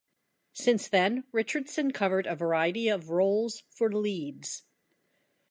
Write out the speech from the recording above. Since then, Richardson covered a variety of roles for Leeds.